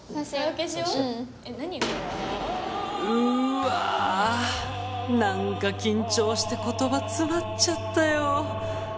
うわ何か緊張して言葉つまっちゃったよ